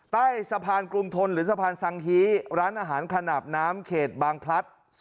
ใต้สะพานกรุงทนหรือสะพานสังฮีร้านอาหารขนาดน้ำเขตบางพลัด